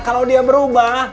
kalau dia berubah